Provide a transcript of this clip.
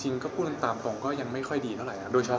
จริงก็คุณตามผมก็ยังไม่ค่อยดีเท่าไหร่นะ